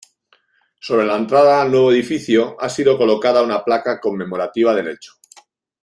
Sobre la entrada al nuevo edificio ha sido colocada una placa conmemorativa del hecho.